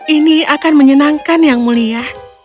ini akan menyenangkan yang mulia